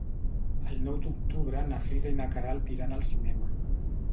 El nou d'octubre na Frida i na Queralt iran al cinema.